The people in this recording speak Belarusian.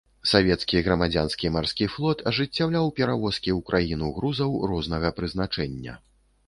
Савецкі грамадзянскі марскі флот ажыццяўляў перавозкі ў краіну грузаў рознага прызначэння.